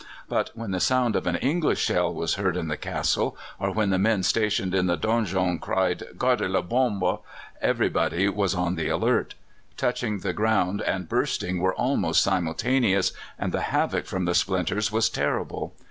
But when the sound of an English shell was heard in the castle, or when the men stationed in the donjon cried, "Garde la bombe!" everybody was on the alert. Touching the ground and bursting were almost simultaneous, and the havoc from the splinters was terrible.